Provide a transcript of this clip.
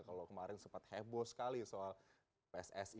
kalau kemarin sempat heboh sekali soal pssi